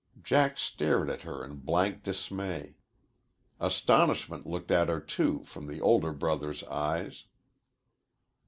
Jack stared at her in blank dismay. Astonishment looked at her, too, from the older brother's eyes.